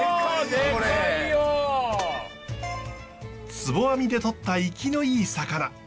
ツボ網でとった生きのいい魚。